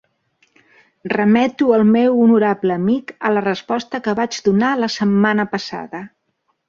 Remeto el meu honorable amic a la resposta que vaig donar la setmana passada.